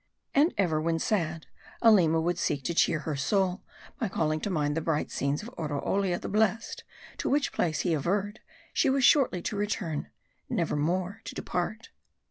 And ever, when sad, Aleema would seek to cheer her soul, by calling to mind the bright scenes of Oroolia the Blest, to which place, he averred, she was shortly to return, never more to depart.